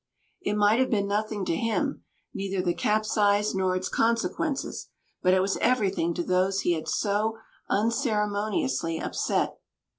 It might have been nothing to him, neither the capsize nor its consequences; but it was everything to those he had so unceremoniously upset.